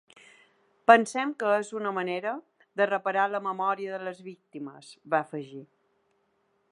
Pensem que és una manera de reparar la memòria de les víctimes, va afegir.